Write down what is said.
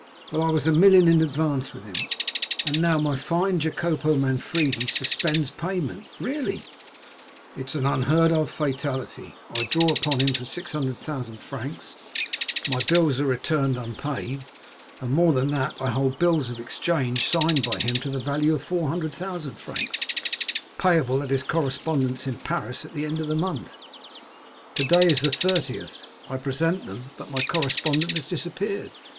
Well, I was a million in advance with him, and now my fine Jacopo Manfredi suspends payment!" "Really?" "It is an unheard of fatality. I draw upon him for 600,000 francs, my bills are returned unpaid, and, more than that, I hold bills of exchange signed by him to the value of 400,000 francs, payable at his correspondent's in Paris at the end of this month. Today is the 30th. I present them; but my correspondent has disappeared.